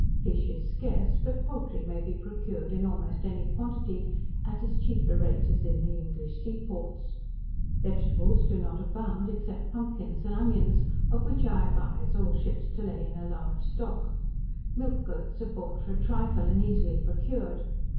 Fish is scarce; but poultry may be procured in almost any quantity, at as cheap a rate as in the English sea ports. Vegetables do not abound, except pumpkins and onions, of which I advise all ships to lay in a large stock. Milch goats are bought for a trifle, and easily procured.